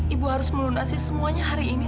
ibu harus melunasi semuanya hari ini